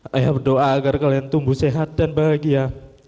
saya berdoa agar kalian tumbuh sehat dan bahagia